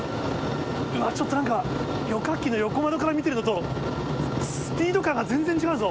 うわっ、ちょっとなんか旅客機の横窓から見てるのと、スピード感が全然違うぞ。